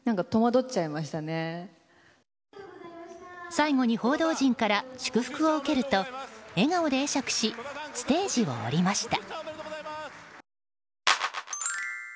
最後に報道陣から祝福を受けると笑顔で会釈しステージを降りました。